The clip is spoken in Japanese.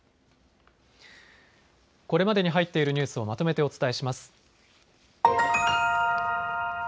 これまでに入っているニュースをまとめてお伝えします。